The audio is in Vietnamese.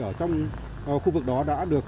ở trong khu vực đó đã được